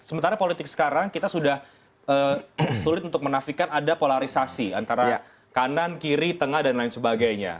sementara politik sekarang kita sudah sulit untuk menafikan ada polarisasi antara kanan kiri tengah dan lain sebagainya